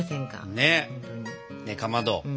ねえかまど。